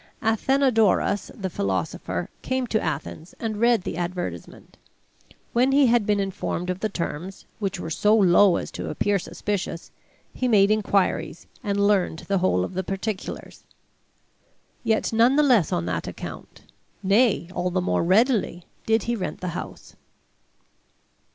Athenodorus, the philosopher, came to Athens and read the advertisement. When he had been informed of the terms, which were so low as to appear suspicious, he made inquiries, and learned the whole of the particulars. Yet none the less on that account, nay, all the more readily, did he rent the house.